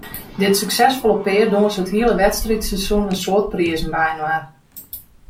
Dit suksesfolle pear dûnse it hiele wedstriidseizoen in soad prizen byinoar.